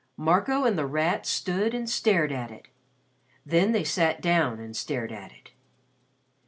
Marco and The Rat stood and stared at it. Then they sat down and stared at it.